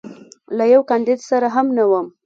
له یوه کاندید سره هم نه وم.